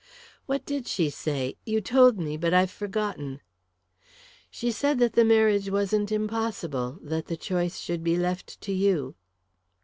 "What did she say? You've told me, but I've forgotten." "She said that the marriage wasn't impossible that the choice should be left to you."